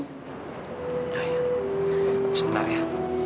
sudah ya sebentar ya